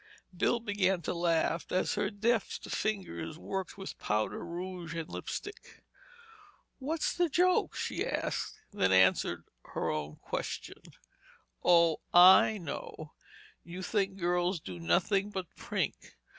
Bill began to laugh as her deft fingers worked with powder, rouge and lipstick. "What's the joke?" she asked, then answered her own question. "Oh, I know! You think girls do nothing but prink.